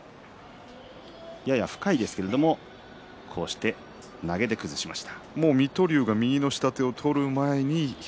やや深いんですけれどもこうして投げで崩しました。